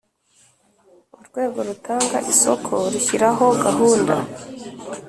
Urwego rutanga isoko rushyiraho gahunda